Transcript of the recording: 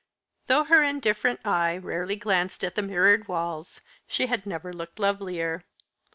Though her indifferent eye rarely glanced at the mirrored walls, she had never looked lovelier.